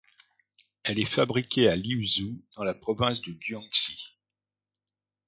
Elle est fabriquée à Liuzhou, dans la province du Guangxi.